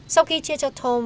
sau khi chia cho thôm